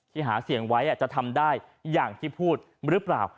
หาเสียงไว้จะทำได้อย่างที่พูดหรือเปล่า